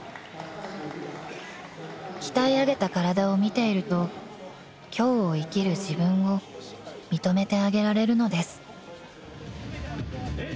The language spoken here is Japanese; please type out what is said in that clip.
［鍛え上げた体を見ていると今日を生きる自分を認めてあげられるのです］